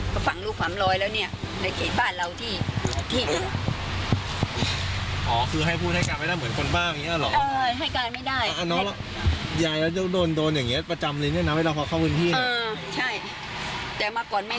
คำสั่งลูกขังลอยแล้วเคยบ้านเราที่